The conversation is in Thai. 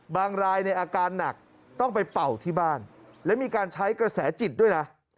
บางรายในอาการหนักต้องไปเป่าที่บ้านและมีการใช้กระแสจิตด้วยนะ